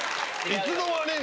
いつの間に！